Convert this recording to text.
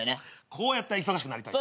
こうやって忙しくなりたい。